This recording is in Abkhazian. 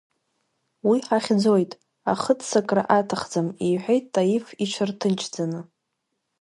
Уи ҳахьӡоит, ахыццакра аҭахӡам, – иҳәеит Таиф иҽырҭынчӡаны.